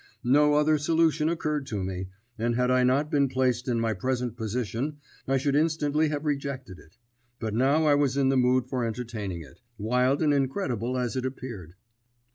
No other solution occurred to me, and had I not been placed in my present position I should instantly have rejected it; but now I was in the mood for entertaining it, wild and incredible as it appeared.